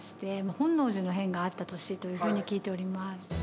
本能寺の変があった年というふうに聞いております。